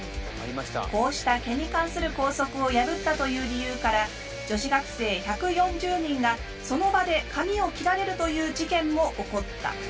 こうした毛に関する校則を破ったという理由から女子学生１４０人がその場で髪を切られるという事件も起こった。